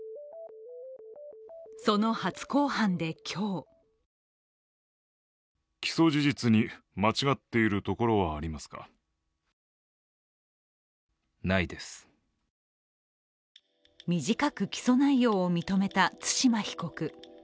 その初公判で今日短く起訴内容を認めた対馬被告。